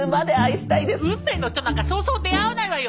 運命の人なんかそうそう出会わないわよ。